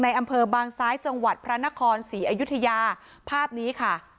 อำเภอบางซ้ายจังหวัดพระนครศรีอยุธยาภาพนี้ค่ะ